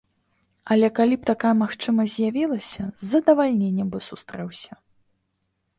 Але калі б такая магчымасць з'явілася, з задавальненнем бы сустрэўся.